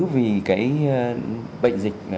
vì cái bệnh dịch